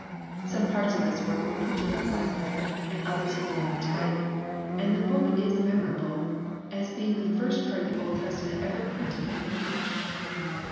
Some parts of this work were printed in black letter and others in Roman type, and the book is memorable as being the first part of the Old Testament ever printed in English.